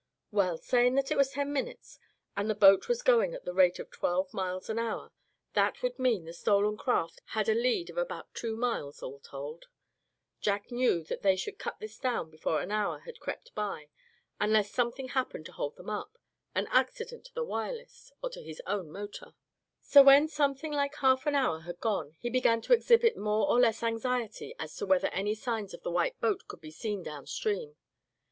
Well, saying that it was ten minutes, and the boat was going at the rate of twelve miles an hour that would mean the stolen craft had a lead of about two miles all told. Jack knew that they should cut this down before an hour had crept by, unless something happened to hold them up, an accident to the Wireless, or to his own motor. So when something like half an hour had gone, he began to exhibit more or less anxiety as to whether any signs of the white boat could be seen down stream.